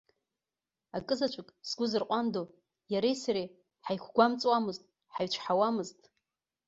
Акы заҵәык сгәы зырҟәандо, иареи сареи ҳаиқәгәамҵуамызт, ҳаицәҳауамызт.